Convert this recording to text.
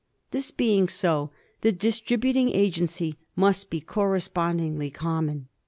This being so, the distributing agency must be correspondingly common.